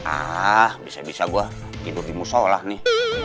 ah bisa bisa gue tidur di musolah nih